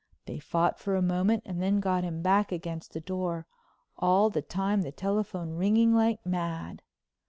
They fought for a moment, and then got him back against the door, all the time the telephone ringing like mad.